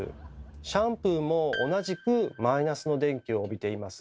シャンプーも同じくマイナスの電気を帯びています。